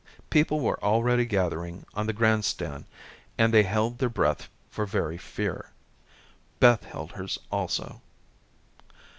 People were already gathering on the grandstand and they held their breath for very fear, Beth held hers also.